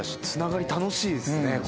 つながり楽しいですね